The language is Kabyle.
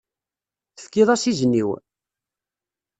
Tefkiḍ-as izen-iw?